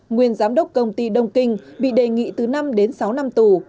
nguyên giám đốc công ty đông kinh bị đề nghị từ năm đến sáu năm tù